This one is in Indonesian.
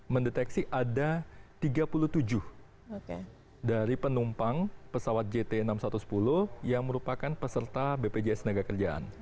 mendeteksi ada tiga puluh tujuh dari penumpang pesawat jt enam ratus sepuluh yang merupakan peserta bpjs tenaga kerjaan